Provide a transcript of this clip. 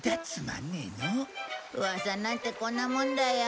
うわさなんてこんなもんだよ。